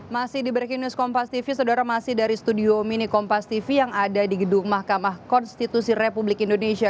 masih di breaking news kompas tv saudara masih dari studio mini kompas tv yang ada di gedung mahkamah konstitusi republik indonesia